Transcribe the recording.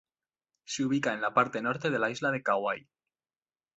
Se ubica en la parte norte de la isla de Kauai.